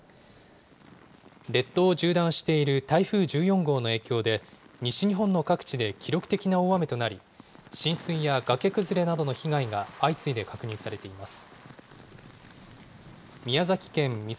列島を縦断している台風１４号の影響で、西日本の各地で記録的な大雨となり、浸水や崖崩れなどの被害が相次いで確認されています。